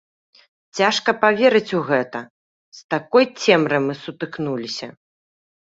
Цяжка паверыць у гэта, з такой цемрай мы сутыкнуліся!